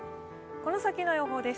この先の予報です。